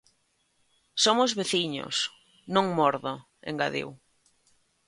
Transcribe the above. "Somos veciños, non mordo", engadiu.